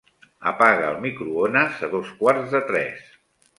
Apaga el microones a dos quarts de tres.